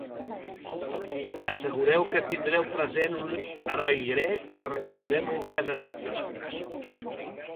Assegureu que tindreu present un heroi grec que recordem encadenat.